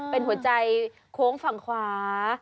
เป็นหัวใจโค้งฝั่งขวา